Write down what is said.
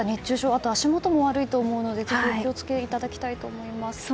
あとは足元も悪いと思いますので気を付けていただきたいと思います。